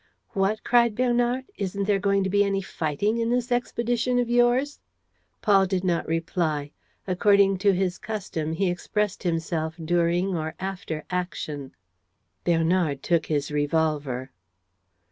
"What!" cried Bernard. "Isn't there going to be any fighting in this expedition of yours?" Paul did not reply. According to his custom, he expressed himself during or after action. Bernard took his revolver.